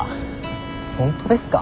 本当ですか？